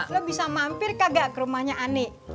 lo bisa mampir kagak ke rumahnya ani